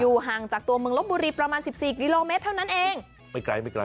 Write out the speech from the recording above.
ห่างจากตัวเมืองลบบุรีประมาณสิบสี่กิโลเมตรเท่านั้นเองไม่ไกลไม่ไกล